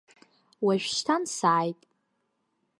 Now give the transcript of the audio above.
Уажәшьҭан сааип.